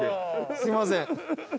すみません。